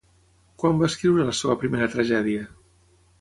Quan va escriure la seva primera tragèdia?